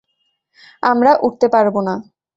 আমরা উড়তে পারব না।